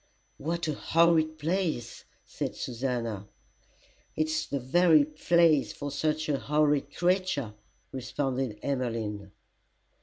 "What a horrid place!" said Susannah. "It's the very place for such a horrid creature," responded Emmeline.